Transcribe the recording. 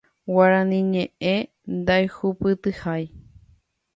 Guarani ñe'ẽme ndaihupytyhái